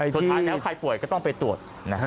สุดท้ายแล้วใครป่วยก็ต้องไปตรวจ